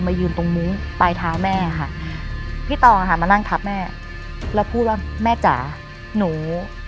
มายืนตรงหมูปลายเท้าแม่ค่ะพี่ต้องมานั่งทับแม่แล้วพูดว่ามันจำนูล